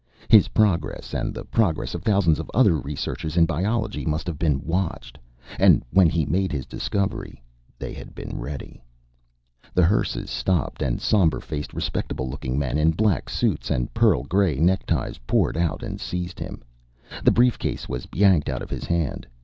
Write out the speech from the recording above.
His progress, and the progress of thousands of other researchers in biology, must have been watched. And when he made his discovery, they had been ready. The hearses stopped, and somber faced, respectable looking men in black suits and pearl gray neckties poured out and seized him. The briefcase was yanked out of his hand.